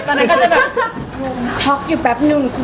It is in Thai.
ตอนนั้นก็จะแบบช็อกอยู่แป๊บนึง